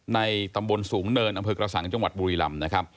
ในตำบลสูงเนินอำเภอกระสังจังหวัดบุรีลำนะครับ